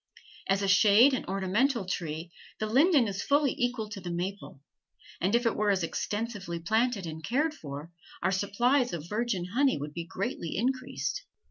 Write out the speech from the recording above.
As a shade and ornamental tree the linden is fully equal to the maple, and if it were as extensively planted and cared for, our supplies of virgin honey would be greatly increased.